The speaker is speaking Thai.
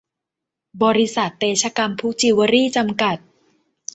บริษัท เตชะกำพุจิวเวลรี่ จำกัด